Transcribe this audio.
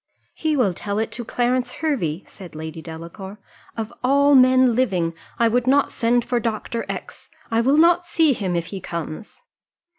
"He will tell it to Clarence Hervey," said Lady Delacour: "of all men living, I would not send for Dr. X ; I will not see him if he comes."